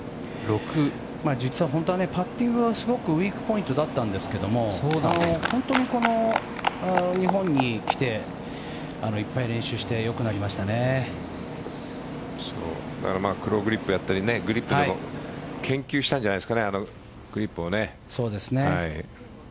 パッティングがすごくウィークポイントだったんですけど本当に日本に来ていっぱい練習してクローグリップをやったりグリップの研究をしたんじゃないですかね。